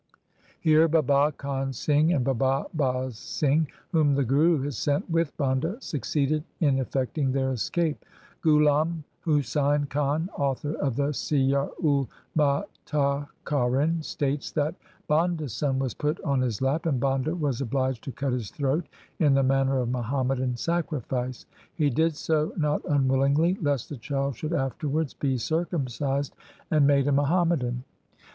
Here Baba Kahn Singh and Baba Baz Singh, whom the Guru had sent with Banda, succeeded in effecting their escape. Ghulam Husain Khan, author of the Siyar ul Mutaakharin, states that Banda's son was put on his lap, and Banda was obliged to cut his throat in the manner of Muham madan sacrifice. He did so, not unwillingly, lest the child should afterwards be circumcised and made a Muhammadan.